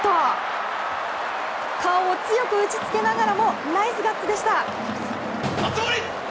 顔を強く打ちつけながらもナイスガッツでした。